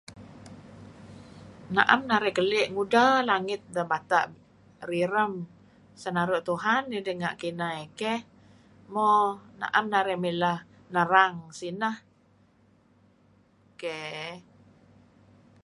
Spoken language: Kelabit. Na'em narih keli' ngudeh langit neh bata' rirem, senaru' Tuhan idih renga' kineh keh, mo na'em narih mileh nerang sineh keh.